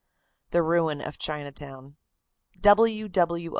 THE RUIN OF CHINATOWN. W. W.